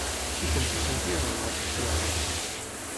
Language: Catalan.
I com se sentia la dona que actuava?